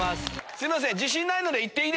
すいません。